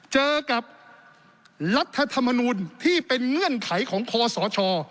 เจอกับรัฐธรรมนูลที่เป็นเงื่อนไขของคอสช